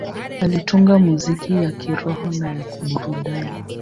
Alitunga muziki ya kiroho na ya burudani.